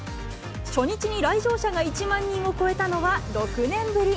初日に来場者が１万人を超えたのは、６年ぶり。